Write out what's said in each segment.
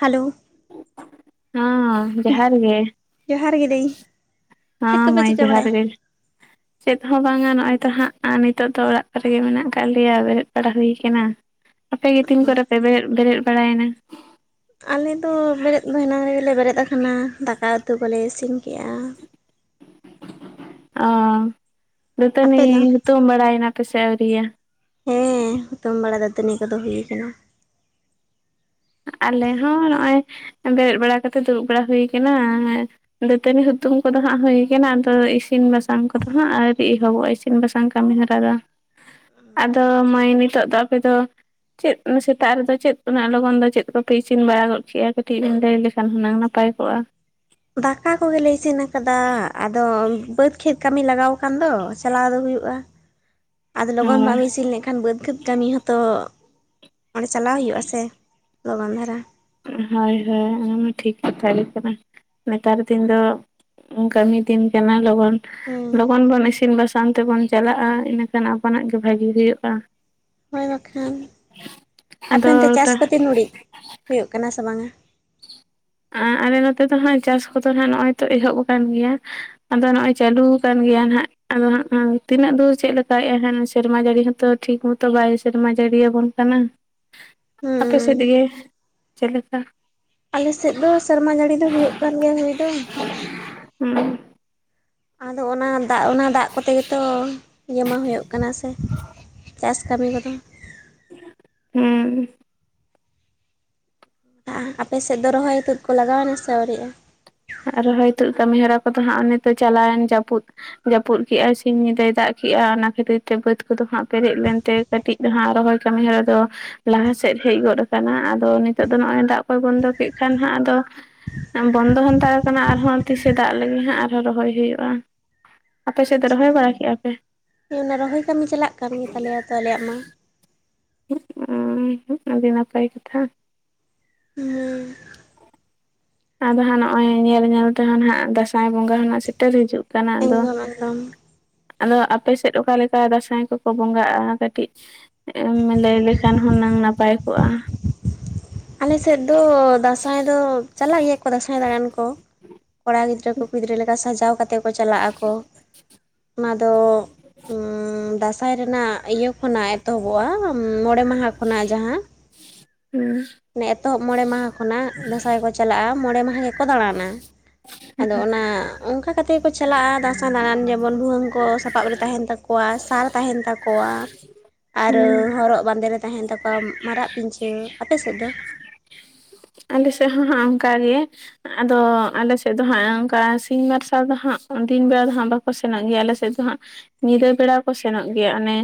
Hello ᱦᱚᱸ ᱡᱚᱦᱟᱨ ᱜᱮ ᱡᱚᱦᱟᱨ ᱜᱮ ᱫᱟᱹᱭ ᱪᱮᱫ ᱦᱚᱸ ᱠᱚᱯᱮ ᱢᱟᱸᱭ ᱪᱤᱠᱟᱹ ᱡᱚᱦᱟᱨ ᱜᱮ [unintelligible] ᱪᱮᱫ ᱦᱚᱸ ᱵᱟᱝᱟ ᱱᱚᱜᱼᱚᱭ ᱛᱚ ᱦᱟᱸᱜ ᱱᱤᱛᱚᱜ ᱫᱚ ᱚᱲᱟᱜ ᱨᱮᱜᱮ ᱢᱮᱱᱟᱜ ᱟᱠᱟᱫ ᱞᱮᱭᱟ ᱵᱮᱨᱮᱫ ᱵᱟᱲᱟ ᱦᱩᱭ ᱠᱟᱱᱟ ᱟᱯᱮᱜ ᱜᱮ ᱛᱤᱱ ᱠᱚᱨᱮ ᱯᱮ ᱵᱮᱨᱮᱫ ᱵᱮᱨᱮᱫ ᱵᱟᱲᱟᱭᱮᱱᱟ ᱟᱞᱮ ᱫᱚ ᱵᱮᱨᱮᱫ ᱫᱚ ᱮᱱᱟᱝ ᱨᱮᱜᱮᱞᱮ ᱵᱮᱨᱮᱫ ᱟᱠᱟᱱᱟ ᱫᱟᱠᱟ ᱩᱛᱩ ᱠᱚᱞᱮ ᱤᱥᱤᱱ ᱠᱮᱫᱼᱟ ᱚᱸ ᱫᱟᱹᱛᱟᱹᱱᱤ ᱟᱯᱮ ᱫᱚ? ᱦᱩᱛᱩᱢ ᱵᱟᱲᱟᱭᱮᱱᱟ ᱯᱮᱥᱮ ᱟᱹᱣᱨᱤᱭᱟ ᱦᱮᱸ ᱦᱩᱛᱩᱢ ᱵᱟᱲᱟ ᱫᱟᱹᱛᱟᱹᱱᱤ ᱠᱚᱫᱚ ᱦᱩᱭᱩ ᱟᱠᱟᱱᱟ᱾ ᱟᱞᱮ ᱦᱚᱸ ᱱᱚᱜᱼᱚᱭ ᱵᱮᱨᱮᱫ ᱵᱟᱲᱟ ᱠᱟᱛᱮ ᱫᱩᱲᱩᱵ ᱵᱟᱲᱟ ᱦᱩᱭ ᱠᱟᱱᱟ᱾ ᱫᱟᱹᱛᱟᱹᱱᱤ ᱦᱩᱛᱩᱢ ᱠᱚᱫᱚ ᱦᱟᱸᱜ ᱦᱩᱭ ᱠᱟᱱᱟ᱾ ᱟᱫᱚ ᱤᱥᱤᱱ ᱵᱟᱥᱟᱝ ᱠᱚᱫᱚ ᱦᱟᱸᱜ ᱟᱨᱦᱚᱵᱚᱜᱼᱟ ᱤᱥᱤᱱ ᱥᱤᱱ ᱵᱟᱥᱟᱝ ᱠᱟᱹᱢᱤ ᱦᱚᱨᱟᱫᱚ ᱟᱫᱚ ᱢᱟᱹᱭ ᱱᱤᱛᱚᱜ ᱫᱚ ᱟᱯᱮᱫ ᱫᱚ ᱪᱮᱫ ᱥᱮᱛᱟᱜ ᱨᱮᱫᱚ ᱪᱮᱫ ᱩ ᱞᱚᱜᱚᱱ ᱫᱚ ᱪᱮᱫ ᱠᱚᱯᱮ ᱤᱥᱤᱱ ᱵᱟᱲᱟ ᱜᱚᱫ ᱠᱮᱜᱼᱟ ᱠᱟᱹᱴᱤᱡ ᱵᱤᱱ ᱞᱟᱹᱭ ᱞᱮᱠᱷᱟᱱ ᱦᱩᱱᱟᱹᱝ ᱱᱟᱯᱟᱭ ᱠᱚᱜᱼᱟ? ᱫᱟᱠᱟ ᱠᱚᱜᱮᱞᱮ ᱤᱥᱤᱱ ᱟᱠᱟᱫᱟ ᱟᱫᱚ ᱵᱟᱹᱫᱽ ᱠᱷᱮᱛ ᱠᱟᱹᱢᱤ ᱞᱟᱜᱟᱣ ᱠᱟᱱ ᱫᱚ ᱪᱟᱞᱟᱣ ᱫᱚ ᱦᱩᱭᱩᱜᱼᱟ᱾ ᱟᱫᱚ ᱞᱚᱜᱚᱱ ᱦᱳᱭ ᱵᱟᱢ ᱤᱥᱤᱱ ᱞᱮᱠᱷᱟᱱ ᱵᱟᱹᱫᱽ ᱠᱷᱮᱫᱽ ᱠᱟᱹᱢᱤ ᱦᱚᱸᱛᱚ ᱚᱸᱰᱮ ᱪᱟᱞᱟᱣ ᱦᱩᱭᱩᱜᱼᱟ ᱥᱮ ᱞᱚᱜᱚᱱ ᱫᱷᱟᱨᱟ᱾ ᱦᱳᱭ ᱦᱳᱭ ᱚᱱᱟᱢᱟ ᱴᱷᱤᱠ ᱠᱟᱛᱷᱟ ᱜᱮ ᱠᱟᱱᱟ ᱱᱮᱛᱟᱨ ᱫᱤᱱ ᱫᱚ ᱠᱟᱹᱢᱤ ᱛᱤᱱ ᱠᱟᱱᱟ ᱞᱚᱱ ᱦᱮᱸ ᱞᱚᱜᱚᱱ ᱵᱚᱱ ᱤᱥᱤᱱ ᱵᱟᱥ ᱥᱟᱶ ᱛᱮᱵᱚᱱ ᱪᱟᱞᱟᱜᱼᱟ, ᱤᱱᱟᱹᱠᱷᱟᱱ ᱟᱯᱚᱱᱟᱜ ᱜᱮ ᱵᱷᱟᱜᱤ ᱦᱩᱭᱩᱜᱼᱟ᱾ ᱦᱳᱭ ᱵᱟᱠᱷᱟᱱ, ᱟᱫᱚ ᱟᱯᱮᱱᱛᱮ ᱪᱟᱥ ᱠᱟᱹᱛᱤ ᱱᱲᱤᱡ ᱦᱩᱭᱩᱜ ᱠᱟᱱᱟ, ᱥᱮ ᱵᱟᱝᱟ? ᱟᱸ ᱟᱞᱮ ᱱᱚᱛᱮ ᱫᱚ ᱦᱟᱸᱜ ᱪᱟᱥ ᱠᱚᱫᱚ ᱦᱟᱸᱜ ᱱᱚᱜᱼᱚᱭ ᱛᱚ ᱮᱦᱚᱵ ᱟᱠᱟᱱ ᱜᱮᱭᱟ᱾ ᱟᱫᱚ ᱱᱚᱜᱼᱚᱭ ᱪᱟᱹᱞᱩᱣ ᱠᱟᱱ ᱜᱮᱭᱟ ᱦᱟᱸᱜ ᱟᱫᱚ ᱛᱤᱱᱟᱹᱜ ᱫᱚ ᱪᱮᱜ ᱮᱦᱮᱱ ᱥᱮᱨᱢᱟ ᱡᱟᱹᱲᱤ ᱦᱚᱸᱛᱚ ᱴᱷᱤᱠ ᱢᱚ ᱛᱚ ᱵᱟᱭ ᱥᱮᱨᱢᱟ ᱡᱟᱹᱲᱤᱭᱟᱵᱚᱱ ᱠᱟᱱᱟ? ᱟᱯᱮ ᱦᱩᱸ ᱥᱮᱫ ᱜᱮ ᱪᱮᱜ ᱞᱮᱠᱟ? ᱟᱞᱮᱥᱮᱫ ᱫᱚ ᱥᱮᱨᱢᱟ ᱡᱟᱹᱲᱤ ᱫᱚ ᱦᱩᱭᱩᱜ ᱠᱟᱱ ᱜᱮᱭᱟ ᱦᱩᱭ ᱫᱚ᱾ ᱩᱸ ᱟᱫᱚ ᱚᱱᱟ ᱫᱟᱜ ᱚᱱᱟ ᱫᱟᱜ ᱠᱚᱛᱮ ᱜᱮᱛᱚ ᱡᱚᱢᱟ ᱦᱩᱭᱩᱜ ᱠᱟᱱᱟ ᱥᱮ ᱪᱟᱥ ᱠᱟᱹᱢᱤ ᱠᱚᱫᱚ ᱦᱩᱸ ᱟ ᱟᱯᱮ ᱥᱮᱫ ᱫᱚ ᱨᱚᱦᱚᱭ ᱛᱩᱫ ᱠᱚ ᱞᱟᱜᱟᱣᱱᱟ ᱥᱮ ᱟᱹᱣᱨᱤᱜᱼᱟ? ᱟᱨ ᱨᱚᱦᱚᱭ ᱛᱩᱫ ᱠᱟᱹᱢᱤᱦᱚᱨᱟ ᱠᱚᱫᱚ ᱦᱟᱸᱜ ᱚᱱᱮᱛᱚ ᱪᱟᱞᱟᱣᱮᱱ ᱡᱟᱹᱯᱩᱫ ᱡᱟᱹᱯᱩᱫ ᱠᱮᱜᱟᱭ ᱥᱤᱧ ᱧᱤᱫᱟᱹᱭ ᱫᱟᱜ ᱠᱮᱜᱼᱟ ᱚᱱᱟ ᱠᱷᱟᱹᱛᱤᱨ ᱛᱮ ᱵᱟᱹᱫᱽ ᱠᱚᱫᱚ ᱦᱟᱸᱜ ᱯᱮᱨᱮᱡ ᱞᱮᱱᱛᱮ ᱠᱟᱹᱴᱤᱡ ᱫᱚᱟᱸᱜ ᱟᱨ ᱨᱚᱦᱚᱭ ᱠᱟᱹᱢᱤ ᱦᱚᱨᱟ ᱫᱚ᱾ ᱞᱟᱦᱟᱥᱮᱫ ᱦᱮᱡ ᱜᱚᱫ ᱠᱟᱱᱟ ᱟᱫᱚ ᱱᱤᱛᱚᱜ ᱫᱚ ᱱᱚᱜᱼᱚᱭ ᱫᱟᱜ ᱠᱚᱭ ᱵᱚᱱᱫᱚ ᱠᱮᱫ ᱠᱷᱟᱱ ᱦᱟᱸᱜ ᱟᱫᱚ ᱵᱚᱱᱫᱚ ᱦᱟᱛᱟᱲ ᱠᱟᱱᱟ ᱟᱨᱦᱚᱸ ᱛᱤᱥᱮ ᱫᱟᱜ ᱞᱮᱜᱤ ᱦᱟᱸᱜ ᱟᱨᱦᱚᱸ ᱨᱚᱦᱚᱭ ᱦᱩᱭᱩᱜᱼᱟ᱾ ᱟᱯᱮ ᱥᱮᱫ ᱫᱚ ᱨᱚᱦᱚᱭ ᱟᱪᱪᱷᱟᱸ ᱵᱟᱲᱟ ᱠᱮᱜᱼᱟ ᱯᱮ ᱚᱱᱟ ᱨᱚᱦᱚᱭ ᱠᱟᱹᱢᱤ ᱪᱟᱞᱟᱜ ᱠᱟᱱ ᱜᱮ ᱛᱟᱞᱮᱭᱟ ᱛᱚ ᱟᱞᱮᱭᱟᱜ ᱢᱟ ᱚᱸ ᱟᱹᱰᱤ ᱱᱟᱯᱟᱭ ᱠᱟᱛᱷᱟ ᱢᱩᱸ ᱟᱫᱚ ᱦᱟᱸᱜ ᱱᱚᱜᱼᱚᱭ ᱧᱮᱞ ᱧᱮᱞ ᱛᱮᱦᱚᱸ ᱱᱟᱦᱟᱜ ᱫᱟᱸᱥᱟᱭ ᱵᱚᱸᱜᱟ ᱦᱚᱸ ᱱᱟᱜ ᱥᱮᱴᱮᱨ ᱦᱤᱡᱩᱜ ᱠᱟᱱᱟ ᱟᱫᱚ ᱥᱟᱢᱟᱱᱰᱚᱴ ᱟᱫᱚ ᱟᱯᱮᱥᱮᱫ ᱚᱠᱟ ᱞᱮᱠᱟ ᱫᱟᱸᱥᱟᱭ ᱠᱚᱠᱚ ᱵᱚᱸᱜᱟᱜᱼᱟ ᱠᱟᱹᱴᱤᱡ ᱮᱢ ᱞᱟᱹᱭ ᱞᱮᱠᱷᱟᱱ ᱦᱩᱱᱟᱹᱝ ᱱᱟᱯᱟᱭ ᱠᱚᱜᱼᱟ? ᱟᱞᱮᱥᱮᱫ ᱫᱚ ᱫᱟᱸᱥᱟᱭ ᱫᱚ ᱪᱟᱞᱟᱜ ᱜᱮᱭᱟ ᱠᱚ ᱫᱟᱸᱥᱟᱭ ᱫᱟᱬᱟᱱ ᱠᱚ ᱠᱚᱲᱟ ᱜᱤᱫᱽᱨᱟᱹ ᱠᱚ ᱠᱩᱲᱤᱜᱤᱫᱽᱨᱟᱹ ᱞᱮᱠᱟ ᱥᱟᱡᱟᱣ ᱠᱟᱛᱮᱜ ᱠᱚ ᱪᱟᱞᱟᱜᱼᱟ ᱠᱚ᱾ ᱚᱱᱟ ᱫᱚ ᱚᱸ ᱫᱟᱸᱥᱟᱭ ᱨᱮᱱᱟᱜ ᱤᱭᱟᱹ ᱠᱷᱚᱱᱟᱜ ᱮᱛᱚᱦᱚᱵᱚᱜᱼᱟ ᱢᱚᱬᱮ ᱢᱟᱦᱟ ᱠᱷᱚᱱᱟᱜ ᱡᱟᱦᱟᱸ ᱚᱸ ᱢᱮ ᱮᱛᱚᱦᱚᱵ ᱢᱚᱬᱮ ᱢᱟᱦᱟ ᱠᱷᱚᱱᱟᱜ ᱫᱟᱸᱥᱟᱭ ᱠᱚ ᱪᱟᱞᱟᱜᱼᱟ ᱢᱚᱬᱮ ᱢᱟᱦᱟ ᱜᱮᱠᱚ ᱫᱟᱬᱟᱱᱟ᱾ ᱟᱫᱚ ᱚᱱᱟ ᱚᱝᱠᱟ ᱠᱟᱛᱮ ᱜᱮ ᱠᱚ ᱪᱟᱞᱟᱜᱼᱟ ᱫᱟᱸᱥᱟᱭ ᱫᱟᱬᱟᱱ ᱡᱮᱢ ᱵᱚᱱ ᱵᱷᱩᱣᱟᱹᱝ ᱠᱚ ᱥᱟᱯᱟᱵ ᱨᱮ ᱛᱟᱦᱮᱱ ᱛᱟᱠᱚᱣᱟ, ᱥᱟᱨ ᱛᱟᱦᱮᱱ ᱛᱟᱠᱚᱣᱟ᱾ ᱟᱨᱚ ᱦᱚᱨᱚᱜ ᱵᱟᱸᱫᱮ ᱨᱮ ᱛᱟᱦᱮᱱ ᱛᱟᱠᱚᱣᱟ ᱢᱟᱨᱟᱜ ᱯᱤᱧᱪᱷᱟᱹᱨ᱾ ᱟᱯᱮ ᱥᱮᱫ ᱫᱚ? ᱟᱞ ᱥᱮ ᱦᱟᱸᱦᱟᱸᱜ ᱚᱝᱠᱟ ᱜᱮ ᱟᱫᱚ ᱟᱞᱮ ᱥᱮᱫ ᱫᱚ ᱦᱟᱸᱜ ᱚᱱᱠᱟ ᱥᱤᱧ ᱢᱟᱨᱥᱟᱞ ᱫᱚ ᱦᱟᱸᱜ ᱫᱤᱱ ᱵᱮᱲᱟ ᱫᱚ ᱦᱟᱸᱜ ᱵᱟᱠᱚ ᱥᱮᱱᱚᱜ ᱜᱮᱭᱟ ᱟᱞᱮ ᱥᱮᱫ ᱫᱚ ᱦᱟᱸᱜ ᱧᱤᱫᱟᱹ ᱵᱮᱲᱟ ᱠᱚ ᱥᱮᱱᱚᱜ ᱜᱮᱭᱟ ᱚᱱᱮ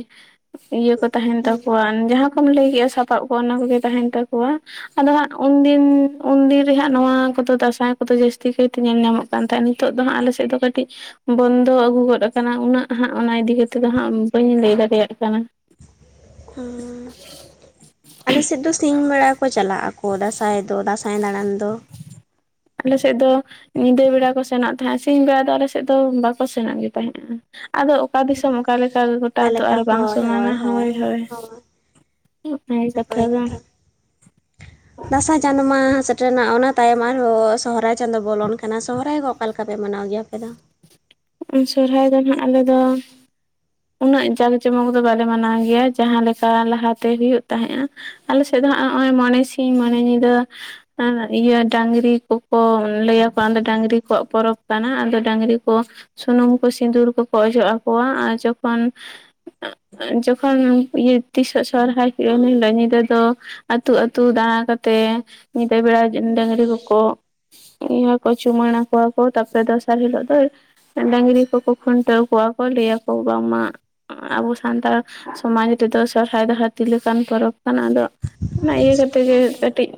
ᱤᱭᱟᱹ ᱠᱚ ᱛᱟᱦᱮᱱ ᱛᱟᱠᱚᱣᱟ ᱡᱟᱦᱟᱸ ᱠᱚᱢ ᱞᱟᱹᱭ ᱠᱮᱜᱼᱟ ᱥᱟᱯᱟᱵ ᱠᱚᱜ ᱚᱱᱟ ᱠᱚᱜᱮ ᱛᱟᱦᱮᱱ ᱛᱟᱠᱚᱣᱟ ᱟᱫᱚ ᱦᱟᱸᱜ ᱩᱱᱫᱤᱱ ᱩᱱᱫᱤᱱ ᱨᱮᱦᱟᱸᱜ ᱱᱚᱣᱟ ᱠᱚᱫᱚ ᱫᱟᱥᱟᱭ ᱠᱚᱫᱚ ᱡᱟᱹᱥᱛᱤ ᱠᱟᱭᱛᱮ ᱧᱮᱞ ᱧᱟᱢᱚᱜ ᱠᱟᱱ ᱛᱟᱦᱮᱸ ᱱ ᱱᱤᱛᱚᱜ ᱫᱚ ᱦᱟᱸᱜ ᱟᱞᱮ ᱥᱮᱫ ᱫᱚ ᱠᱟᱹᱴᱤᱡ ᱵᱚᱱᱫᱚ ᱟᱹᱜᱩ ᱜᱚᱫ ᱟᱠᱟᱱᱟ ᱩᱱᱟᱹᱜ ᱦᱟᱸᱜ ᱚᱱᱟ ᱤᱫᱤᱛᱮᱫ ᱫᱚ ᱦᱟᱸᱜ ᱵᱟᱹᱧ ᱞᱟᱹᱭ ᱫᱟᱲᱮᱭᱟᱜ ᱠᱟᱱᱟ ᱟᱨ ᱟᱞᱮ ᱥᱮᱫ ᱫᱚ ᱥᱤᱧ ᱵᱮᱲᱟ ᱠᱚ ᱪᱟᱞᱟᱜ ᱟᱠᱚ ᱫᱟᱸᱥᱟᱭ ᱫᱚ ᱫᱟᱸᱥᱟᱭ ᱫᱟᱬᱟᱱ ᱫᱚ ᱟᱞᱮ ᱥᱮᱜ ᱫᱚ ᱧᱤᱫᱟᱹ ᱵᱮᱲᱟ ᱠᱚ ᱥᱮᱱᱚᱜ ᱛᱟᱦᱮᱸᱜ ᱥᱤᱧ ᱵᱮᱲᱟ ᱫᱚ ᱟᱞᱮ ᱥᱮᱜ ᱫᱚ ᱵᱟᱠᱚ ᱥᱮᱱᱚᱜ ᱜᱮ ᱛᱟᱦᱮᱸᱜᱼᱟ᱾ ᱟᱫᱚ ᱚᱠᱟ ᱫᱤᱥᱚᱢ ᱚᱠᱟᱞᱮᱠᱟ ᱜᱚᱴᱟ ᱫᱚ ᱟᱨᱚ ᱵᱟᱝ ᱥᱚᱢᱟᱱᱟ ᱦᱳᱭ ᱦᱳᱭ ᱚᱱᱟᱜᱮ [inaudible] ᱱᱟᱯᱟᱭ ᱫᱚ ᱠᱟᱛᱷᱟ ᱫᱟᱸᱥᱟᱭ ᱡᱟᱱᱢᱟᱦ ᱨᱮᱱᱟᱜ ᱚᱱᱟ ᱛᱟᱭᱚᱢ ᱟᱨᱦᱚᱸ ᱥᱚᱦᱚᱨᱟᱭ ᱪᱟᱸᱫᱳ ᱵᱚᱞᱚᱱ ᱠᱟᱱᱟ ᱥᱚᱦᱚᱨᱟᱭ ᱦᱚᱸ ᱚᱠᱟ ᱞᱮᱠᱟ ᱯᱮ ᱢᱟᱱᱟᱣ ᱜᱮᱭᱟ ᱟᱯᱮ ᱫᱚ ᱥᱚᱨᱦᱟᱭ ᱫᱚ ᱱᱟᱦᱟᱜ ᱟᱞᱮ ᱫᱚ ᱩᱱᱟᱹᱜ ᱡᱟᱸᱠ ᱡᱚᱢᱚᱠ ᱫᱚ ᱵᱟᱞᱮ ᱢᱟᱱᱟᱣ ᱜᱮᱭᱟ ᱡᱟᱦᱟᱸ ᱞᱮᱠᱟ ᱞᱟᱦᱟᱛᱮ ᱦᱩᱭᱩᱜ ᱛᱟᱦᱮᱸᱫᱼᱟ ᱟᱞᱮ ᱥᱮᱫ ᱫᱚ ᱦᱟᱸᱜ ᱱᱚᱜᱼᱚᱭ ᱢᱚᱱᱮ ᱥᱤᱧ ᱢᱚᱱᱮ ᱧᱤᱫᱟᱹ ᱤᱭᱟᱹ ᱰᱟᱝᱨᱤ ᱠᱚᱠᱚ ᱞᱟᱹᱭᱭᱟᱠᱚᱣᱟ ᱰᱟᱹᱟᱝᱨᱤ ᱠᱚᱣᱟᱜ ᱯᱚᱨᱚᱵᱽ ᱠᱟᱱᱟ ᱟᱫᱚ ᱰᱟᱹᱝᱨᱤ ᱠᱚ ᱥᱩᱱᱩᱢ ᱠᱚ ᱥᱤᱸᱫᱩᱨ ᱠᱚᱠᱚ ᱚᱡᱚᱜ ᱟᱠᱚᱣᱟ ᱟᱨ ᱡᱚᱠᱷᱚᱱ ᱡᱚᱠᱷᱚᱱ ᱛᱤᱥᱜ ᱥᱚᱨᱦᱟᱭ ᱦᱩᱭᱩᱜᱼᱟ ᱮᱱ ᱦᱤᱞᱳᱜ ᱧᱤᱫᱟᱹ ᱫᱚ ᱟᱹᱛᱩ ᱟᱹᱛᱩ ᱫᱟᱬᱟ ᱠᱟ ᱠᱟᱛᱮᱫ ᱧᱤᱫᱟᱹ ᱵᱮᱲᱟ ᱰᱟᱹᱟᱝᱨᱤ ᱠᱚᱠᱚ ᱤᱭᱟᱹ ᱠᱚ ᱪᱩᱢᱟᱹᱲᱟ ᱠᱚᱣᱟ ᱠᱚ ᱛᱟᱨᱯᱚᱨᱮ ᱫᱚᱥᱟᱨ ᱦᱤᱞᱚᱜ ᱫᱚ ᱰᱟᱹᱟᱝᱨᱤ ᱠᱚᱠᱚ ᱠᱷᱩᱱᱴᱟᱹᱣ ᱠᱚᱣᱟ ᱠᱚ ᱞᱟᱹᱭᱟᱠᱚ ᱵᱟᱝᱢᱟ ᱟᱵᱚ ᱥᱟᱱᱛᱟᱲ ᱥᱚᱢᱟᱡᱽ ᱨᱮᱫᱚ ᱥᱚᱨᱦᱟᱭ ᱫᱚᱟᱹᱛᱤ ᱞᱮᱠᱟᱱ ᱯᱚᱨᱚᱵᱽ ᱠᱟᱱᱟ ᱟᱫᱚ ᱚᱱᱟ ᱤᱭᱟᱹ ᱟᱪᱪᱷᱟ ᱠᱟᱛᱮᱜ ᱜᱤ ᱦᱮᱸ ᱛᱚ ᱠᱟᱹᱴᱤᱡ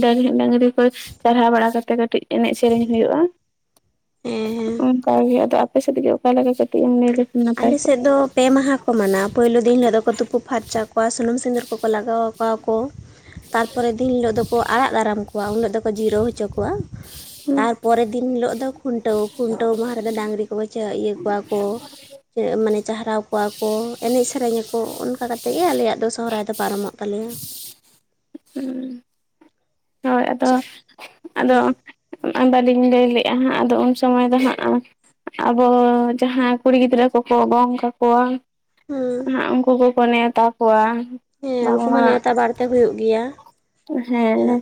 ᱰᱟᱹᱝᱨᱤ ᱠᱚ ᱪᱟᱨᱦᱟᱣ ᱵᱟᱲᱟ ᱠᱟᱛᱮ ᱠᱟᱹᱴᱤᱡ ᱮᱱᱮᱡ ᱥᱮᱨᱮᱧ ᱦᱩᱭᱩᱜᱼᱟ ᱦᱮᱸ ᱦᱮᱸ ᱚᱱᱠᱟᱜᱮ ᱟᱫᱚ ᱟᱯᱮ ᱥᱮᱫ ᱜᱮ ᱚᱠᱟᱞᱮᱠᱟ ᱠᱟᱹᱴᱤᱡ ᱮᱢ ᱧᱞᱟ ᱟᱞᱮᱥᱮᱫ ᱫᱚ ᱯᱮ ᱢᱟᱦᱟ ᱠᱚ ᱢᱟᱱᱟᱣᱟ ᱯᱩᱭᱞᱩ ᱫᱤᱱ ᱦᱤᱞᱳᱜ ᱫᱚᱠᱚ ᱛᱩᱯᱩ ᱯᱷᱟᱨᱪᱟ ᱠᱚᱣᱟ ᱥᱩᱱᱩᱢ ᱥᱤᱸᱫᱩᱨ ᱠᱚᱠᱚ ᱞᱟᱜᱟᱣᱚᱣᱟ ᱠᱚ ᱛᱟᱨᱯᱚᱨᱮ ᱫᱤᱱ ᱦᱤᱞᱳᱜ ᱫᱚᱠᱚ ᱟᱲᱟᱜ ᱫᱟᱨᱟᱢ ᱠᱚᱣᱟ ᱩᱱ ᱦᱤᱞᱳᱜ ᱫᱚᱠᱚ ᱡᱤᱨᱟᱹ ᱦᱚᱪᱚ ᱠᱚᱣᱟ ᱛᱟᱨᱯᱚᱨᱮᱨ ᱫᱤᱱ ᱦᱤᱞᱳ ᱫᱚ ᱠᱷᱩᱱᱴᱟᱹᱣ ᱠᱚ ᱠᱷᱩᱱᱴᱟᱹᱣ ᱢᱟᱦᱟ ᱨᱮᱫᱚ ᱰᱟᱹᱟᱝᱨᱤ ᱠᱚ ᱵᱪ ᱤᱭᱟᱹ ᱠᱚᱣᱟ ᱠᱚ [inaudible] ᱢᱟᱱᱮ ᱪᱟᱨᱦᱟᱣ ᱠᱚᱣᱟ ᱠᱚ ᱮᱱᱮᱡ ᱥᱮᱨᱮᱧᱟᱚ ᱚᱱᱠᱟ ᱠᱟ ᱠᱟᱛᱮᱮᱫ ᱜᱮ ᱟᱞᱮᱭᱟᱜ ᱫᱚ ᱥᱚᱦᱚᱨᱟᱭ ᱫᱚ ᱯᱟᱨᱚᱢᱚᱜ ᱛᱟᱞᱮᱭᱟ ᱦᱩᱸ ᱦᱚᱭ ᱟᱫᱚ ᱟᱫᱚ ᱦᱮᱸ ᱵᱟᱹᱞᱤᱧ ᱞᱟᱹᱭ ᱞᱮᱜᱼᱟ ᱦᱟᱸᱜ ᱟᱫᱚ ᱩᱱ ᱥᱚᱢᱚᱭ ᱫᱚ ᱦᱟᱸᱜ ᱟᱵᱚ ᱡᱟᱦᱟᱸ ᱠᱩᱲᱤ ᱜᱤᱫᱽᱨᱟᱹ ᱠᱚᱠᱚ ᱜᱚᱝ ᱠᱟᱠᱚᱣᱟ ᱦᱮᱸ ᱩᱱᱠᱩ ᱠᱚᱠᱚ ᱱᱮᱶᱛᱟ ᱠᱚᱣᱟ ᱦᱮᱸ ᱩᱱᱠᱩ ᱢᱟ ᱱᱮᱣᱛᱟ ᱵᱟᱨᱛᱮ ᱦ ᱦᱩᱭᱩᱜ ᱜᱮᱭᱟ ᱦᱮᱸᱮ ᱪᱮᱫᱟᱜ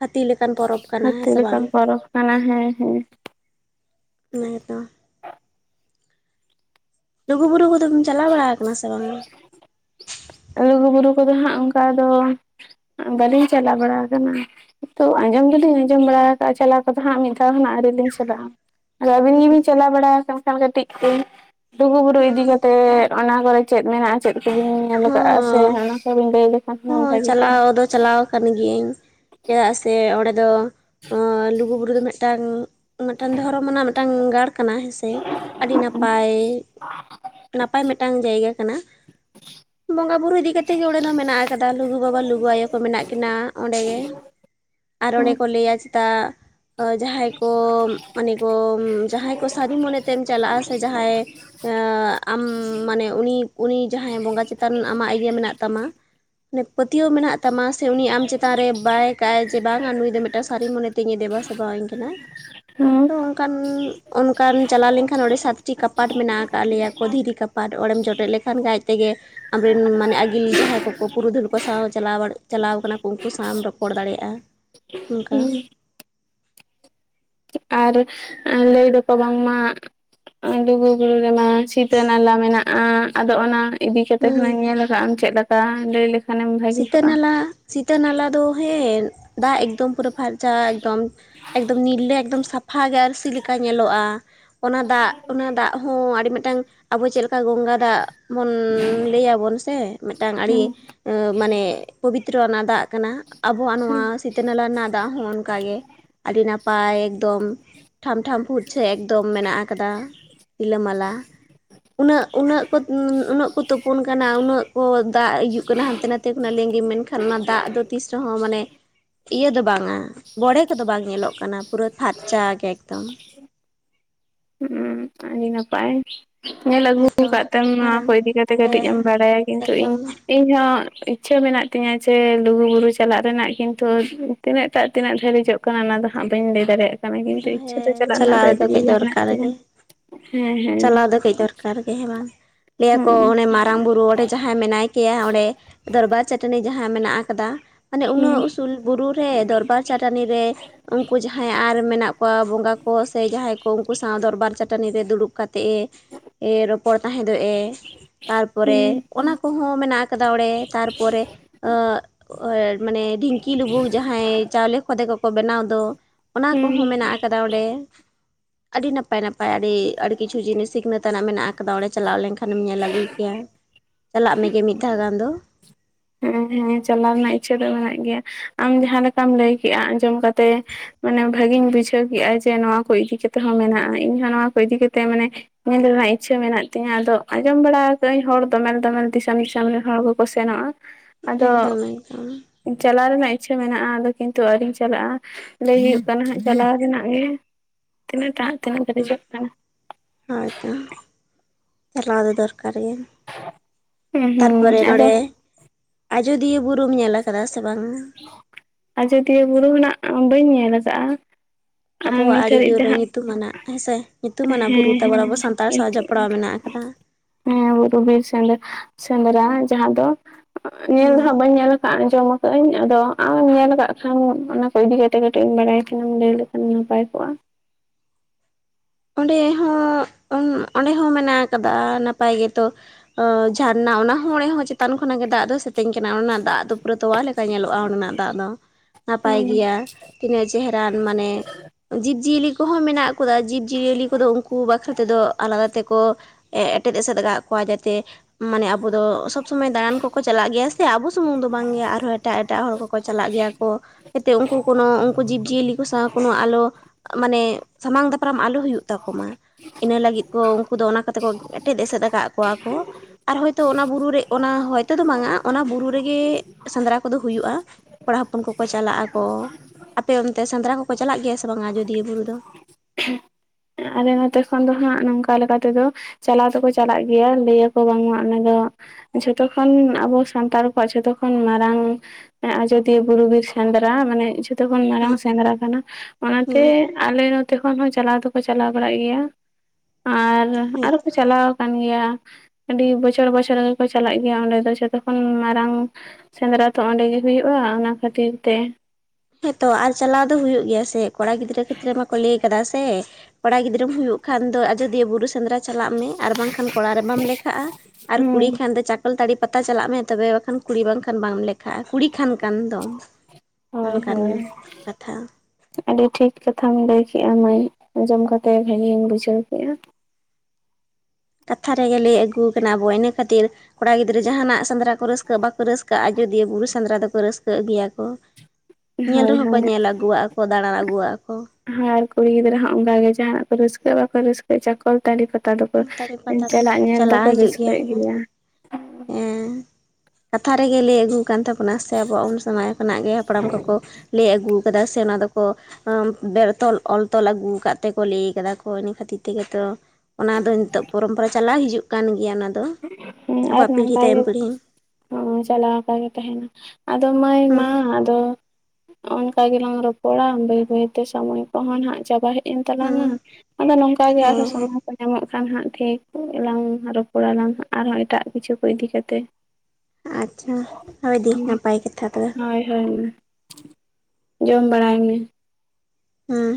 ᱦᱟᱹᱛᱤ ᱞᱮᱠᱟᱱ ᱯᱚᱨᱚᱵᱽ [inaudible] ᱠᱟᱱᱟ ᱦᱟᱹᱛᱤ ᱦᱮᱸ ᱥᱮ ᱞᱮᱠᱟᱱ ᱵᱟᱝ ᱵᱚᱨᱯᱷ ᱠᱟᱱᱟ ᱦᱮᱸ ᱦᱮᱸ ᱚᱱᱟᱜᱤᱛᱚ ᱞᱩᱜᱩᱵᱩᱨᱩ ᱠᱚᱫᱚᱢ ᱪᱟᱞᱟᱣ ᱵᱟᱲᱟ ᱟᱠᱟᱱᱟ ᱥᱮ ᱵᱟᱝᱟ ᱞᱩᱜᱩᱵᱩᱨᱩ ᱠᱚᱫᱚ ᱦᱟᱸᱜ ᱚᱱᱠᱟ ᱫᱚ ᱵᱟᱹᱞᱤᱧ ᱪᱟᱞᱟᱣ ᱵᱟᱲᱟ ᱟᱠᱟᱱᱟ ᱛᱚ ᱟᱸᱡᱚᱢ ᱫᱚᱞᱤᱧ ᱟᱸᱡᱚᱢ ᱵᱟᱲᱟ ᱠᱟᱜᱼᱟ ᱪᱟᱞᱟᱣ ᱦᱜ ᱢᱤᱫ ᱫᱷᱟᱣ ᱦᱚ ᱟᱣᱨᱤ ᱞᱤᱧ ᱪᱟᱞᱟᱜᱼᱟ ᱟᱫᱚ ᱟᱹᱵᱤᱱ ᱜᱮᱵᱤᱱ ᱪᱟᱞᱟ ᱵᱟᱲᱟᱭ ᱟᱱ ᱠᱟᱹᱴᱤᱡ ᱠᱚ ᱞᱩᱜᱩ ᱵᱩᱨᱩ ᱤᱫᱤ ᱠᱟᱛᱮᱫ ᱚᱱᱟ ᱠᱚᱨᱮ ᱪᱮᱫ ᱢᱮᱱᱟᱜᱼᱟ ᱪᱮᱫ ᱠᱚᱵᱤᱱ ᱧᱮᱞᱫᱟ ᱛᱟ [unintelligible] ᱥᱮ ᱦᱚᱸ ᱦᱟᱱᱟ ᱠᱩ ᱵᱮᱱ ᱞᱟᱹᱭ ᱞᱮᱠᱦᱟᱱ ᱦᱚᱸ ᱪᱟᱞᱟᱣ ᱫᱚ ᱪᱟᱞᱟᱣ ᱟᱠᱟᱱ ᱜᱤᱭᱟᱹᱧ ᱪᱮᱫᱟᱜ ᱥᱮ ᱚᱸᱰᱮ ᱫᱚ ᱞᱩᱜᱩᱵᱩᱨᱩ ᱫᱚ ᱢᱤᱫᱴᱟᱝ ᱢᱤᱫᱴᱟᱝ ᱫᱷᱚᱨᱚᱢ ᱟᱱᱟᱜ ᱢᱤᱫᱴᱟᱝ ᱜᱟᱲ ᱠᱟᱱᱟ ᱦᱮᱸᱥᱮ ᱟᱹᱰᱤ ᱱᱟᱯᱟᱭ [inaudible] ᱱᱟᱯᱟᱭ ᱢᱤᱫᱴᱟᱝ ᱡᱟᱭᱜᱟ ᱠᱟᱱᱟ ᱵᱚᱸᱜᱟ ᱵᱩᱨᱩ ᱤᱫᱤ ᱠᱟᱛᱮᱜ ᱜᱮ ᱚᱸᱰᱮ ᱦᱚᱸ ᱢᱮᱱᱟᱜᱫᱟ ᱠᱟᱫᱟ ᱞᱩᱜᱩ ᱵᱟᱵᱟ ᱞᱩᱜᱩ ᱟᱭᱳ ᱠᱚ ᱢᱮᱱᱟᱜ ᱠᱤᱱᱟ ᱚᱸᱰᱮ ᱜᱮ ᱟᱨ ᱚᱱᱮ ᱦᱩᱸ ᱠᱚ ᱞᱟᱹᱭᱟ ᱪᱮᱫᱟᱜ ᱡᱟᱦᱟᱸᱭ ᱠᱚ ᱢᱟᱱᱮ ᱠᱚ ᱡᱟᱦᱟᱸᱭ ᱠᱚ ᱥᱟᱹᱨᱤ ᱢᱚᱱᱮᱛᱮᱢ ᱪᱟᱞᱟᱜᱼᱟ ᱥᱮ ᱡᱟᱦᱟᱸᱭ ᱟᱢ ᱢᱟᱱᱮ ᱩᱱᱤ ᱩᱱᱤ ᱡᱟᱦᱟᱸᱭ ᱵᱚᱸᱜᱟ ᱪᱮᱛᱟᱱ ᱟᱢᱟᱜ ᱤᱭᱟᱹ ᱢᱮᱱᱟᱜ ᱛᱟᱢᱟ᱾ ᱢᱟᱱᱮ ᱯᱟᱹᱛᱭᱟᱹᱣ ᱢᱮᱱᱟᱜ ᱛᱟᱢᱟ ᱥᱮ ᱩᱱᱤ ᱟᱢ ᱪᱮᱛᱟᱱ ᱨᱮ ᱵᱟᱭ ᱠᱟᱭ ᱡᱮ ᱵᱟᱝᱟ ᱱᱩᱭ ᱫᱚ ᱢᱤᱫᱴᱟᱝ ᱥᱟᱹᱨᱤ ᱢᱚᱱᱮ ᱛᱮᱧᱮ ᱫᱮᱵᱟ ᱥᱮᱵᱟᱣᱟᱹᱧ ᱠᱟᱱᱟ᱾ ᱛᱚ ᱚᱱᱠᱟᱱ ᱚᱱᱠᱟᱱ ᱪᱟᱞᱟᱣ ᱞᱮᱱᱠᱷᱟᱱ ᱚᱸᱰᱮ ᱥᱟᱛᱴᱤ ᱠᱟᱯᱟᱴ ᱢᱮᱱᱟᱜ ᱟᱠᱟᱫ ᱞᱮᱭᱟ ᱠᱚ ᱫᱷᱤᱨᱤ ᱠᱟᱯᱟᱴ ᱯᱟᱴ ᱚᱲᱮᱢ ᱡᱚᱴᱮᱫ ᱞᱮᱠᱷᱟᱱ ᱜᱡᱛᱮᱜᱮ ᱟᱢᱨᱮᱱ ᱢᱟᱱᱮ ᱟᱹᱜᱤᱞ ᱡᱟᱦᱟᱸᱭ ᱠᱚᱠᱚ ᱯᱩᱨᱩᱫᱷᱩᱞ ᱠᱚ ᱥᱟᱶ ᱪᱟᱞᱟᱣ ᱵᱟ ᱪᱟᱞᱟᱣ ᱟᱠᱟᱱᱟ ᱠᱚ ᱩᱱᱠᱩ ᱥᱟᱶᱢ ᱨᱚᱯᱚᱲ ᱫᱟᱲᱮᱭᱟᱜᱼᱟ᱾ ᱚᱱᱠᱟ ᱦᱩᱸ ᱟᱨ ᱞᱟᱹᱭ ᱫᱚᱠᱚ ᱵᱟᱝᱢᱟ ᱞᱩᱜᱩ ᱵᱩᱨᱩ ᱨᱮᱢᱟ ᱥᱤᱛᱟᱹ ᱱᱟᱞᱟ ᱢᱮᱱᱟᱜᱼᱟ, ᱟᱫᱚ ᱚᱱᱟ ᱤᱫᱤ ᱠᱟᱛᱮ ᱦᱩᱸ ᱧᱮᱞ ᱟᱠᱟᱫ ᱟᱢ ᱪᱮᱫ ᱞᱮᱠᱟ, ᱞᱟᱹᱭ ᱞᱮᱠᱷᱟᱱ ᱥᱤᱛᱟᱹ ᱱᱟᱞᱟ ᱥᱤᱛᱟᱹ ᱱᱟᱞᱟ ᱫᱚ ᱦᱮᱸ ᱫᱟᱜ ᱮᱠᱫᱚᱢ ᱯᱩᱨᱟᱹ ᱯᱷᱟᱨᱪᱟ, ᱮᱠᱫᱚᱢ ᱮᱠᱫᱚᱢ ᱱᱤᱨᱟᱹ ᱮᱠᱫᱚᱢ ᱥᱟᱯᱷᱟ ᱜᱮ ᱟᱨᱥᱤ ᱞᱮᱠᱟ ᱧᱮᱞᱚᱜᱼᱟ᱾ ᱚᱱᱟ ᱫᱟᱜ ᱚᱱᱟ ᱫᱟᱜ ᱦᱚᱸ ᱟᱹᱰᱤ ᱢᱤᱫᱴᱟᱝ ᱟᱵᱚ ᱪᱮᱫ ᱞᱮᱠᱟ ᱜᱚᱝᱜᱟ ᱫᱟᱜ ᱵᱚᱱ ᱞᱟᱹᱭᱟᱵᱚᱱ ᱥᱮ᱾ ᱢᱤᱫᱴᱟᱝ ᱦᱩᱸ ᱟᱹᱰᱤ ᱢᱟᱱᱮ ᱯᱚᱵᱤᱛᱨᱚᱱᱟᱜ ᱫᱟᱜ ᱠᱟᱱᱟ᱾ ᱟᱵᱚᱣᱟᱜ ᱱᱚᱣᱟ ᱥᱤᱛᱟᱹᱱᱟᱞᱟ ᱨᱮᱱᱟᱜ ᱫᱟᱜ ᱦᱚᱸᱜ ᱝᱠᱟ ᱜᱮ, ᱟᱹᱰᱤ ᱱᱟᱯᱟᱭ ᱱᱟᱯᱟᱭ ᱮᱠᱫᱚᱢ ᱴᱷᱟᱢᱴᱷᱟᱢ ᱯᱷᱩᱨᱪᱷᱟᱹ ᱮᱠᱫᱚᱢ ᱢᱮᱱᱟᱜ ᱟᱠᱟᱫᱟ ᱨᱤᱞᱟᱹᱢᱟᱞᱟ᱾ ᱩᱱᱟᱹᱜ ᱩᱱᱟᱹᱜ ᱠᱚ ᱩᱱᱟᱹᱜ ᱠᱚ ᱛᱩᱯᱩᱱ ᱠᱟᱱᱟ ᱩᱱᱟᱹᱜ ᱠᱚ ᱫᱟᱜ ᱤᱭᱩᱜ ᱠᱟᱱᱟ᱾ ᱦᱟᱱᱛᱮ ᱦᱛᱮᱱᱟᱛᱮ ᱠᱷᱚᱱᱟᱜ ᱞᱤᱝᱜᱤ ᱜᱮ ᱢᱮᱱᱠᱷᱟᱱ, ᱚᱱᱟ ᱫᱟᱜ ᱫᱚ ᱛᱤᱥ ᱨᱮᱦᱚᱸ ᱢᱟᱱᱮ ᱤᱭᱟᱹ ᱫᱚ ᱵᱟᱝᱟ ᱵᱚᱲᱮ ᱠᱚᱫᱚ ᱵᱟᱝ ᱧᱮᱞᱚᱜ ᱠᱟᱱᱟ᱾ ᱯᱩᱨᱟᱹ ᱯᱷᱟᱨᱪᱟ ᱜᱮ ᱮᱠᱫᱚᱢ᱾ ᱦᱩᱸ ᱟᱹᱰᱤ ᱱᱟᱯᱟᱭ ᱧᱮᱞ ᱟᱹᱜᱩ ᱦᱮᱸᱛᱚ ᱟᱠᱟᱫ ᱛᱮᱢ ᱱᱚᱣᱟ ᱢᱟᱨᱟᱝ ᱠᱚ ᱤᱫᱤ ᱠᱟᱛᱮ ᱠᱟᱹᱴᱤᱡ ᱮᱢ ᱦᱮᱸ ᱵᱟᱲᱟᱭᱟ ᱠᱤᱱᱛᱩ ᱮᱠᱫᱚᱢ ᱤᱧ ᱤᱧ ᱦᱚᱸ ᱤᱪᱷᱟᱹ ᱢᱮᱱᱟᱜ ᱛᱤᱧᱟᱹ ᱡᱮ ᱞᱩᱜᱩ ᱵᱩᱨᱩ ᱪᱟᱞᱟᱜ ᱨᱮᱱᱟᱜ, ᱠᱤᱱᱛᱩ ᱛᱤᱱᱟᱹᱜ ᱴᱟᱜ ᱛᱱᱟᱹᱜ ᱫᱷᱤᱡ ᱠᱟᱱᱟ ᱚᱱᱟ ᱫᱚ ᱦᱟᱸᱟᱜ ᱵᱟᱹᱧ ᱞᱟᱹᱭ ᱫᱟᱲᱮᱭᱟᱜ ᱠᱟᱱᱛᱮ᱾ ᱠᱤᱱᱛᱩ ᱤᱪᱷᱟ ᱫᱚ ᱦᱮᱸ ᱪᱟᱞᱟᱜ ᱨᱮᱱᱟᱜ ᱪᱟᱞᱟᱣ ᱫᱚ ᱫᱚᱤᱫ ᱠᱟᱹᱡ ᱢᱮᱱᱟᱜ ᱫᱚᱨᱠᱟᱨ ᱛᱮᱭᱟᱹ, ᱜᱮ ᱦᱮᱸ ᱦᱮᱸ ᱪᱟᱞᱟᱣ ᱫᱚ ᱠᱟᱹᱡ ᱫᱚᱨᱠᱟᱨ ᱜᱮ ᱦᱮᱸ ᱵᱟᱝ, ᱞᱟᱹᱭᱟᱠᱚ ᱦᱮᱸ ᱚᱱᱮ ᱢᱟᱨᱟᱝ ᱵᱩᱨᱩ ᱚᱸᱰᱮ ᱡᱟᱦᱟᱸᱭ ᱢᱮᱱᱟᱭ ᱠᱮᱭᱟ ᱚᱸᱰᱮ ᱫᱚᱨᱵᱟᱨ ᱪᱟᱹᱴᱟᱹᱱᱤ ᱡᱟᱦᱟᱸ ᱢᱮᱱᱟᱜ ᱟᱠᱟᱫᱟ ᱢᱟᱱᱮ ᱦᱮᱸ ᱩᱱᱟᱹᱜ ᱩᱥᱩᱞ ᱵᱩᱨᱩ ᱨᱮ ᱫᱚᱨᱵᱟᱨ ᱪᱟᱹᱴᱟᱱᱤ ᱨᱮ ᱩᱱᱠᱩ ᱡᱟᱦᱟᱸᱭ ᱟᱨ ᱢᱮᱱᱟᱜ ᱠᱚ ᱵᱚᱸᱜᱟ ᱠᱚ ᱥᱮ ᱡᱟᱦᱟᱸᱭ ᱠᱚ ᱩᱱᱠᱩ ᱥᱟᱶ ᱫᱚᱨᱵᱟᱨ ᱪᱟᱹᱴᱟᱹᱱᱤ ᱨᱮ ᱫᱩᱲᱩᱵ ᱠᱟᱛᱮ ᱮ ᱨᱚᱯ ᱨᱚᱯᱚᱲ ᱛᱟᱦᱮᱸᱫᱚᱜ ᱮ ᱦᱮᱸ ᱛᱟᱨᱯᱚᱨᱮ ᱚᱱᱟ ᱠᱚᱦᱚᱸ ᱢᱮᱱᱟᱼᱜ ᱠᱟᱫ ᱚᱲᱮ ᱛᱟᱨᱯᱚᱨᱮ ᱚᱸᱻ ᱢᱟᱱᱮ ᱰᱷᱤᱝᱠᱤ ᱞᱩᱵᱩᱜ ᱡᱟᱦᱟᱸᱭ ᱪᱟᱣᱞᱮ ᱠᱷᱚᱫᱮ ᱠᱚᱠᱚ ᱵᱮᱱᱟᱣ ᱮᱫᱟ ᱚᱱᱟ ᱠᱚᱦᱚᱸ ᱦᱮᱸ ᱢᱮᱱᱟᱜ ᱟᱠᱟᱫᱟ ᱚᱸᱰᱮ, ᱟᱹᱰᱤ ᱱᱟᱯᱟᱭ ᱱᱟᱯᱟᱭ ᱟᱹᱰᱤ ᱠᱤᱪᱷᱩ ᱡᱤᱱᱤᱥ ᱥᱤᱠᱷᱱᱟᱹᱛ ᱟᱱᱟᱜ ᱢᱮᱱᱟᱜ ᱟᱠᱟᱫᱟ ᱚᱸᱰᱮ ᱪᱟᱞᱟᱣ ᱞᱮᱱᱠᱷᱟᱱᱮᱢ ᱧᱮᱞ ᱟᱹᱜᱩ ᱠᱮᱭᱟ᱾ ᱪᱟᱞᱟᱜ ᱢᱮᱜᱮ ᱢᱤᱫ ᱫᱷᱟᱣ ᱜᱟᱱ ᱫᱚ᱾ ᱦᱮᱸ ᱦᱮᱸ ᱪᱟᱞᱟᱣ ᱨᱮᱱᱟᱜ ᱤᱪᱷᱟᱹ ᱫᱚ ᱢᱮᱱᱟᱜ ᱜᱮᱭᱟ᱾ ᱟᱢ ᱡᱟᱦᱟᱸ ᱞᱮᱠᱟᱢ ᱞᱟᱹᱭ ᱠᱮᱫᱮᱜᱼᱟ ᱟᱸᱡᱚᱢ ᱠᱟᱛᱮ ᱢᱟᱱᱮ ᱵᱷᱟᱹᱜᱤᱧ ᱵᱩᱡᱷᱟᱹᱣ ᱠᱮᱫᱼᱟ ᱡᱮ ᱱᱚᱣᱟ ᱠᱚ ᱤᱫᱤ ᱠᱟᱛᱮᱜ ᱦᱚᱸ ᱢᱮᱱᱟᱜᱼᱟ᱾ ᱤᱧᱦᱚᱸ ᱱᱚᱣᱟ ᱠᱚ ᱤᱫᱤ ᱠᱟᱛᱮᱜ ᱢᱟᱱᱮ ᱧᱮᱞ ᱨᱮᱱᱟᱜ ᱤᱪᱷᱟᱹ ᱢᱮᱱᱟᱜ ᱛᱤᱧᱟᱹ, ᱟᱫᱚ ᱟᱸᱡᱚᱢ ᱵᱟᱲᱟ ᱠᱟᱜ ᱟᱧ ᱦᱚᱲ ᱫᱚᱢᱮᱞ ᱫᱚᱢᱮᱞ ᱫᱤᱥᱚᱢ ᱫᱤᱥᱚᱢ ᱨᱮᱱ ᱦᱚᱲ ᱠᱚᱠᱚ ᱥᱮᱱᱚᱜᱼᱟ᱾ ᱟᱫᱚ, ᱮᱠᱫᱚᱢ ᱮᱠᱫᱚᱢ ᱪᱟᱞᱟᱣ ᱨᱮᱱᱟᱜ ᱤᱪᱷᱟᱹ ᱢᱮᱱᱟᱜᱼᱟ ᱟᱫᱚ ᱠᱤᱱᱛᱩ ᱟᱹᱣᱨᱤᱧ ᱪᱟᱞᱟᱜᱼᱟ᱾ ᱞᱟᱹᱭ ᱦᱩᱭᱩᱜ ᱠᱟᱱᱟ ᱦᱟᱸᱜ ᱪᱟᱞᱟᱣ ᱨᱮᱱᱟᱜ ᱜᱮ᱾ ᱛᱤᱱᱟᱹᱜ ᱴᱟᱜ ᱛᱤᱱᱟᱹᱜ ᱠᱨᱮᱤᱡᱚᱜ ᱠᱟᱱᱟ ᱦᱳᱭ ᱛᱚ, ᱪᱟᱞᱟᱣ ᱫᱚ ᱫᱚᱨᱠᱟᱨ ᱜᱮᱭᱟ᱾ ᱦᱩᱸ ᱦᱩᱸ ᱟᱫᱚ ᱟᱡᱚᱫᱤᱭᱟᱹ ᱵᱩᱨᱩᱢ ᱧᱮᱞ ᱟᱠᱟᱫᱟ ᱥᱮ ᱵᱟᱝᱼᱟ? ᱟᱡᱚᱫᱤᱭᱟᱹ ᱵᱩᱨᱩ ᱷᱩᱱᱟᱜ ᱵᱟᱹᱧ ᱧᱮᱞ ᱟᱠᱟᱫ᱾ ᱟᱵᱚᱣᱟᱜ ᱟᱹᱰᱤ ᱡᱳᱨᱨᱮ ᱧᱩᱛᱩᱢ ᱢᱟᱱᱟᱜ ᱦᱮᱸᱥᱮ? ᱧᱩᱛᱩᱢᱢᱟᱱᱟ ᱵᱩᱨᱩ ᱦᱮᱸ ᱛᱟᱵᱚᱱ ᱟᱵᱚ ᱥᱟᱱᱛᱟᱲ ᱦᱮᱸ ᱥᱟᱶ ᱡᱚᱯᱲᱟᱣ ᱢᱮᱱᱟᱜ ᱟᱠᱟᱫᱟ᱾ ᱦᱮᱸ ᱵᱩᱨᱩ ᱵᱤᱨ ᱥᱮ ᱥᱮᱸᱫᱽᱨᱟ ᱡᱟᱦᱟᱸ ᱫᱚ ᱧᱮᱞ ᱫᱚ ᱦᱳᱭ ᱦᱟᱼᱜ ᱵᱟᱹᱧ ᱧᱮᱞ ᱟᱸᱡᱚᱢ ᱟᱠᱟᱫ ᱟᱹᱧ ᱟᱫᱚ ᱟᱢ ᱧᱮᱞ ᱟᱠᱟᱫ ᱠᱷᱟᱱ ᱚᱱᱟ ᱠᱚ ᱤᱫᱤ ᱠᱟᱛᱮ ᱠᱟᱹᱴᱤᱡ ᱵᱟᱲᱟᱭ ᱛᱟᱦᱮᱱᱟᱢ ᱞᱟᱹᱭ ᱞᱮ ᱱᱟᱯᱟᱭ ᱠᱚᱜᱼᱟ ᱚᱸᱰᱮ ᱦᱚᱸ ᱚᱸᱰᱮ ᱦᱚᱸ ᱢᱮᱱᱟᱜ ᱠᱟᱫᱟ ᱱᱟᱯᱟᱭ ᱜᱮᱛᱚ᱾ ᱡᱷᱟᱨᱱᱟ ᱚᱱᱟ ᱦᱚᱸ ᱚᱲᱮ ᱦᱚᱸ ᱪᱮᱛᱟᱱ ᱠᱷᱚᱱᱟᱜ ᱜᱮ ᱫᱟᱜ ᱫᱚ ᱥᱮ ᱢᱤᱛᱧ ᱠᱟᱱᱟ ᱚᱱᱟᱱᱟᱜ ᱫᱟᱜ ᱫᱩᱯᱩᱨᱟᱹ ᱛᱚᱣᱟ ᱞᱮᱠᱟ ᱧᱮᱞᱚᱜᱼᱟ ᱚᱱᱟᱸᱰᱮᱱᱟᱜ ᱫᱟᱜ ᱫᱚ ᱱᱟᱯᱟᱭ ᱦᱩᱸ ᱜᱮᱭᱟ ᱛᱤᱱᱟᱹᱜ ᱪᱮᱦᱨᱟᱱ ᱢᱟᱱᱮ ᱡᱤᱵ ᱡᱤᱭᱟᱹᱞᱤ ᱠᱚᱦᱚᱸ ᱢᱮᱱᱟᱜ ᱠᱚᱫᱟ ᱡᱤᱭᱟᱹᱞᱤ ᱠᱚᱫᱚ ᱩᱱᱠᱩ ᱵᱟᱠᱷᱨᱟ ᱛᱮᱫᱚ ᱟᱞᱟ ᱛᱮᱠᱚ ᱮᱴᱮᱫ ᱮᱥᱮᱫ ᱟᱠᱟᱫ ᱠᱚᱣᱟ ᱡᱟᱛᱮ ᱢᱟᱱᱮ ᱟᱵᱚ ᱫᱚ ᱥᱚᱵᱽ ᱥᱚᱢᱚᱭ ᱫᱟᱬᱟᱱ ᱠᱚᱠᱚ ᱪᱟᱞᱟᱜ ᱜᱮᱭᱟ ᱥᱮ ᱟᱵᱚ ᱥᱩᱢᱩᱝ ᱫᱚ ᱵᱟᱝ ᱜᱮᱮ ᱟᱨᱦᱚᱸ ᱮᱴᱟᱜ ᱮᱴᱟᱜ ᱦᱚᱲ ᱠᱚᱠᱚ ᱪᱟᱞᱟᱜ ᱜᱮᱭᱟ ᱠᱚ ᱡᱛᱮ ᱩᱱᱠᱩ ᱠᱳᱱᱚ ᱩᱱᱠᱩ ᱡᱤᱵᱽ ᱡᱤᱭᱟᱹᱞᱤ ᱠᱚ ᱥᱟᱶ ᱠᱱᱚ ᱟᱞᱚ ᱢᱟᱱᱮ ᱥᱟᱢᱟᱝ ᱫᱟᱯᱨᱟᱢ ᱟᱞᱚ ᱦᱩᱭᱩᱜ ᱛᱟᱠᱚᱟ ᱤᱱᱟᱹ ᱞᱟᱹᱜᱤᱫ ᱠᱚ ᱩᱱᱠᱩ ᱫᱚ ᱚᱱᱟ ᱠᱟᱛᱮ ᱠᱚ ᱮᱴᱮᱫ ᱮᱥᱮᱫ ᱟᱠᱟᱫ ᱠᱚᱣᱟ ᱠᱚ ᱟᱨ ᱛᱚ ᱚᱱᱟ ᱵᱩᱨᱩ ᱨᱮ ᱚᱱᱟ ᱦᱚᱭᱛᱚ ᱫᱚ ᱵᱟᱝᱼᱟ ᱚᱱᱟ ᱵᱩᱨᱩ ᱨᱮᱜᱮ ᱥᱮᱸᱫᱽᱨᱟ ᱠᱚᱫᱚ ᱦᱩᱭᱩᱜᱼᱟ ᱠᱚᱲᱟ ᱦᱚᱯᱚᱱ ᱠᱚᱠᱚ ᱪᱟᱞᱟᱜ ᱟᱠᱚ ᱟᱯᱮ ᱚᱱᱛᱮ ᱥᱮᱸᱫᱽᱨᱟ ᱠᱚᱠᱚ ᱪᱟᱞᱟᱜ ᱜᱮᱭᱟ ᱥᱮ ᱵᱟᱝᱟ ᱟᱡᱳᱫᱤᱭᱟᱹ ᱵᱩᱨᱩ ᱫᱚ ᱟᱫᱚ ᱱᱚᱛ ᱠᱷᱚᱱᱚᱱ ᱫᱚ ᱦᱟᱸᱜ ᱱᱚᱝᱠᱟ ᱞᱮᱠᱟ ᱛᱮᱫᱚ ᱪᱟᱞᱟᱣ ᱛᱮᱠᱚ ᱪᱟᱞᱟᱜ ᱜᱮᱭᱟ ᱞᱟᱹᱭᱟᱠᱚ ᱵᱟᱝᱢᱟ ᱚᱱᱟ ᱫᱚ ᱡᱷᱚᱛᱚᱠᱷ ᱟᱵᱚ ᱥᱟᱱᱛᱟᱲ ᱠᱚᱣᱟᱜ ᱡᱷᱚᱛᱚᱠᱷ ᱢᱟᱨᱟᱝ ᱸ ᱟᱡᱚᱫᱤᱭᱟᱹ ᱵᱩᱨᱩ ᱜᱮ ᱥᱮᱸᱫᱽᱨᱟ ᱢᱟᱱᱮ ᱠᱷᱚᱱ ᱢᱟᱨᱟᱝ ᱦᱮᱸ ᱥᱮᱸᱫᱽᱨᱟ ᱠᱟᱱᱟ ᱚᱱᱟᱛᱮ ᱦᱩᱸ ᱟᱞᱮ ᱱᱚᱛᱮ ᱠᱷᱚᱱ ᱦᱚᱸ ᱪᱟᱞᱟᱣ ᱫᱚ᱾ ᱠᱚ ᱪᱟᱞᱟᱣ ᱵᱟᱲᱟᱜ ᱜᱮᱭᱟ ᱟᱨ ᱟᱨᱚ ᱦᱮᱸᱛᱚ ᱠᱚ ᱪᱟᱞᱟᱣ ᱠᱟᱱ ᱜᱮᱭᱟ ᱟᱹᱰᱤ ᱵᱚᱪᱷᱚᱨ ᱵᱚᱪᱷᱚᱨ ᱜᱮᱠᱚ ᱪᱟᱞᱟᱜ ᱜᱮᱭᱟ ᱚᱸᱰᱮ ᱫᱚ ᱡᱷᱚᱛᱚᱠᱷᱚᱱ ᱢᱟᱨᱟᱝ ᱥᱮᱸᱫᱽᱨᱟ ᱛᱚ ᱚᱸᱰᱮ ᱜᱮ ᱦᱩᱭᱩᱜᱼᱟ ᱚᱱᱟ ᱠᱷᱟᱹᱛᱤᱨ ᱛᱮ ᱦᱮᱸᱛᱚ ᱟᱨ ᱪᱟᱞᱟᱣ ᱫᱚ ᱦ ᱦᱩᱭᱩᱜ ᱜᱮᱭᱟ ᱥᱮ ᱠᱚᱲᱟ ᱜᱤᱫᱽᱨᱟᱹ ᱠᱷᱮᱛᱨᱮ ᱢᱟᱠᱚ ᱞᱟᱹᱭ ᱠᱟᱫᱟ ᱥᱮ ᱠᱚᱲᱟ ᱜᱤᱫᱽᱨᱟᱹᱢ ᱦᱩᱭᱩᱜ ᱠᱷᱟᱱ ᱫᱚ ᱟᱡᱚᱫᱤᱭᱟᱹ ᱵᱩᱨᱩ ᱥᱮᱸᱫᱽᱨᱟ ᱪᱟᱞᱟᱜ ᱢᱮ ᱟᱨ ᱵᱟᱝᱠᱷᱟᱱ ᱠᱚᱲᱟ ᱨᱮ ᱵᱟᱢ ᱞᱮᱠᱷᱟᱜᱼᱟ ᱟᱨ ᱠᱩᱲᱤ ᱦᱩᱸ ᱠᱷᱟᱱ ᱫᱚ ᱪᱟᱠ ᱚᱞᱛᱟᱲᱤ ᱯᱟᱛᱟ ᱪᱟᱞᱟᱜ ᱢᱮ ᱛᱚᱵᱮ ᱵᱟᱠᱷᱟᱱ ᱠᱩᱲᱤ ᱵᱟᱝᱠᱷᱟᱱ ᱵᱟᱢ ᱞᱮᱠᱷᱟᱜᱼᱟ ᱠᱩᱲᱤ ᱠᱷᱟᱱ ᱠᱟᱱ ᱫᱚᱢ ᱦᱳᱭ ᱚᱱᱠᱟᱱ ᱦᱳᱭ ᱠᱟᱛᱷᱟ ᱟᱹᱰᱤ ᱴᱷᱤᱠ ᱠᱟᱛᱷᱟᱢ ᱞᱟᱹᱭᱠᱮᱜᱟ ᱢ ᱟᱸᱡᱚᱢ ᱠᱟᱛᱮ ᱵᱷᱟᱹᱜᱤᱧ ᱵᱩᱡᱷᱟᱹᱣ ᱠᱮᱫᱼᱟ ᱠᱟᱛᱷᱟ ᱨᱮᱜᱮ ᱞᱟᱹᱭ ᱟᱹᱜᱩ ᱠᱟᱱᱟ ᱵᱚ ᱤᱱᱟᱹ ᱠᱷᱟᱹᱛᱤᱨ ᱠᱚᱲᱟ ᱜᱤᱫᱽᱨᱟᱹ ᱡᱟᱦᱟᱱᱟᱜ ᱥᱮᱸᱫᱽᱨᱟ ᱠᱚ ᱨᱟᱹᱥᱠᱟᱹᱜ ᱵᱟᱠᱚ ᱨᱟᱹᱥᱠᱟᱹᱜᱼᱟ ᱟᱡᱳᱫᱤᱭᱟᱹ ᱵᱩᱨᱩ ᱥᱮᱸᱫᱽᱨᱟ ᱫᱚᱠᱚ ᱨᱟᱹᱥᱠᱟᱹ ᱟᱹᱜᱤᱭᱟ ᱠᱚ ᱧᱮᱞ ᱦᱳᱭ ᱨᱮᱦᱚᱸ ᱠᱚ ᱦᱳᱭ ᱧᱮᱞ ᱟᱹᱜᱩᱣᱟᱜᱼᱟ ᱠᱚ ᱫᱟᱬᱟ ᱟᱹᱜᱩᱣᱟᱜᱼᱟᱚ ᱟᱨ ᱠᱩᱲᱤ ᱜᱤᱫᱽᱨᱟᱹ ᱦᱚᱸ ᱚᱱᱠᱟᱟᱜᱮ ᱡᱟᱦᱟᱱᱟᱜ ᱠᱚ ᱨᱟᱹᱥᱠᱟᱹᱜ ᱵᱟᱠᱚ ᱨᱟᱹᱥᱠᱟᱹᱜᱼᱟ ᱪᱟᱠᱚᱞᱛᱟᱲᱤ ᱯᱟᱛᱟ ᱫᱚᱠᱚ ᱛᱟᱹᱨᱤ ᱯᱟᱛᱟ ᱫᱚ ᱱᱟᱜ ᱪᱟᱞᱟᱜ ᱧᱮᱞ ᱫᱚᱠᱚ ᱦᱤᱡᱩᱜ ᱨᱟᱹᱥᱠᱟᱹᱜ ᱜᱮᱭᱟ ᱦᱮᱸ ᱠᱟᱛᱷᱟ ᱨᱮᱜᱮ ᱞᱟᱹᱭ ᱟᱹᱜᱩ ᱠᱟᱱ ᱛᱟᱵᱚᱱᱟ ᱥᱮ ᱟᱵᱚᱣᱟᱜ ᱩᱱ ᱥᱚᱢᱟ ᱠᱷᱚᱱᱟᱜ ᱜᱮ ᱦᱟᱯᱲᱟᱢ ᱠᱚᱠᱚ ᱞᱟᱹᱭ ᱟᱹᱜᱩ ᱠᱟᱫᱟ ᱥᱮ ᱚᱱᱟ ᱫᱚᱠᱚ ᱛᱚᱞ ᱚᱞ ᱛᱚᱞ ᱟᱹᱜᱩ ᱟᱠᱟᱫ ᱛᱮᱠᱚ ᱞᱟᱹᱭ ᱠᱟᱫᱟ ᱠᱚ ᱤᱱᱟᱹ ᱠᱷᱟᱹᱛᱤᱨ ᱛᱮᱜᱮ ᱛᱚ ᱚᱱᱟ ᱫᱚ ᱱᱤᱛᱚᱜ ᱯᱚᱨᱚᱢᱯᱚᱨᱟ ᱪᱟᱞᱟᱣ ᱦᱤᱡᱩᱜ ᱠᱟᱱ ᱜᱮᱭᱟ ᱫᱚ᱾ ᱦᱮᱸ ᱟᱵᱚᱣᱟᱜ ᱯᱤᱲᱦᱤ ᱟᱨᱠᱟᱟᱭ ᱛᱟᱭᱚᱢ [unintelligible] ᱯᱤᱲᱦᱤ ᱦ ᱪᱟᱞᱟᱣ ᱟᱠᱟᱜ ᱜᱮ ᱛᱟᱦᱮᱱᱟ ᱟᱫᱚ ᱢᱟᱹᱭ ᱦᱮᱸ ᱢᱟ ᱟᱫᱚ ᱚᱱᱠᱟ ᱜᱮᱞᱟᱝ ᱨᱚᱯᱚᱲᱟ ᱵᱟᱹᱭ ᱵᱟᱹᱭᱛᱮ ᱥᱚᱢᱚᱭ ᱠᱚᱦᱚᱸ ᱱᱟᱦᱟᱜ ᱪᱟᱵᱟᱭ ᱦᱩᱭᱩᱜᱼᱟ ᱮᱱ ᱦᱮᱸ ᱛᱟᱞᱟᱝᱟ ᱟᱫᱚ ᱱᱚᱝᱠᱟ ᱜᱮ ᱦᱮᱸ ᱟᱨᱦᱚᱸ ᱦᱮᱸ ᱥᱚᱢᱚᱭ ᱠᱚ ᱧᱟᱢᱚᱜ ᱠᱷᱟᱱ ᱦᱟᱸᱜ ᱴᱷᱤᱠ ᱮᱱᱟᱞᱟᱝ ᱟᱨᱚ ᱠᱚᱨᱟᱣ ᱞᱮᱱᱠᱷᱟᱱ ᱟᱨᱦᱚᱸ ᱮᱴᱟᱜ ᱠᱤᱪᱷᱩ ᱠᱚ ᱤᱫᱤ ᱠᱟᱛᱮ ᱟᱪᱪᱷᱟ ᱦ ᱫᱤ ᱱᱟᱯᱟᱭ ᱠᱟᱛᱷᱟ ᱛᱚᱵᱮ ᱦᱳᱭ ᱦᱳ ᱡᱚᱢ ᱵᱟᱲᱟᱭ ᱢᱮ ᱦᱮᱸ